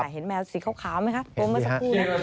เห็นแมวสีขาวไหมคะโปรดมาสักครู่นะ